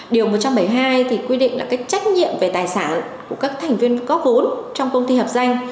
điều một trăm bảy mươi hai thì quy định là cái trách nhiệm về tài sản của các thành viên góp vốn trong công ty hợp danh